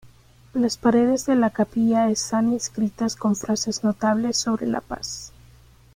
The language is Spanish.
Las paredes de la capilla están inscritas con frases notables sobre la paz.